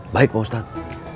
baik pak ustadz